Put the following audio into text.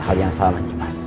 hal yang salah